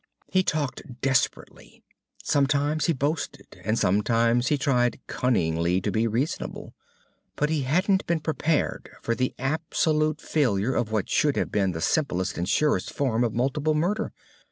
He talked desperately. Sometimes he boasted, and sometimes he tried cunningly to be reasonable. But he hadn't been prepared for the absolute failure of what should have been the simplest and surest form of multiple murder.